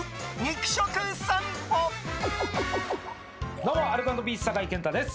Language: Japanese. どうも、アルコ＆ピース酒井健太です。